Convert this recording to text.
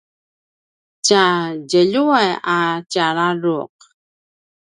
tja djeljuway a tja ladruq